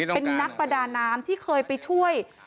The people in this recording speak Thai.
เป็นนักประดาน้ำที่เคยไปช่วย